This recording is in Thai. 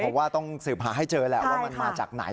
ผมว่าต้องสืบหาให้เจอแหละว่ามันมาจากไหน